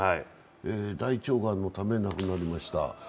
大腸がんのため亡くなりました。